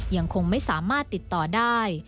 ยังคงไม่สามารถติดต่อได้